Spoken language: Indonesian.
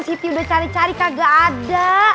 siti udah cari cari kagak ada